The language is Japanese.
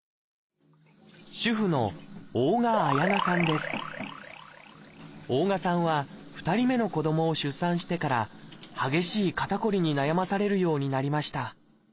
主婦の大我さんは２人目の子どもを出産してから激しい肩こりに悩まされるようになりました